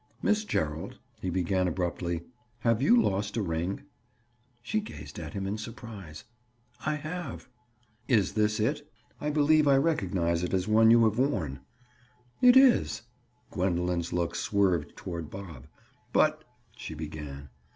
"Miss Gerald," he began abruptly, "have you lost a ring?" She gazed at him in surprise. "I have." "Is this it? I believe I recognize it as one you have worn." "It is." Gwendoline's look swerved toward Bob. "But—" she began.